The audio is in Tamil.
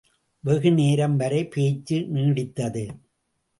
வெகு நேரம் வரை பேச்சு நீடித்தது.